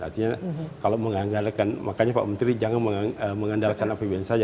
artinya kalau mengandalkan makanya pak menteri jangan mengandalkan apa apa saja